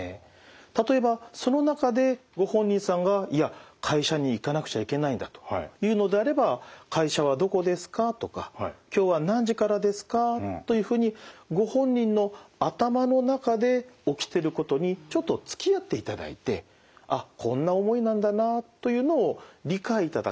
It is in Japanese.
例えばその中でご本人さんが「いや会社に行かなくちゃいけないんだ」と言うのであれば「会社はどこですか？」とか「今日は何時からですか？」というふうにご本人の頭の中で起きてることにちょっとつきあっていただいてあっこんな思いなんだなというのを理解いただく